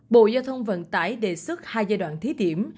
bộ giao thông vận tải đề xuất hai giai đoạn thí điểm